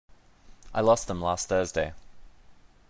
I lost them last Thursday.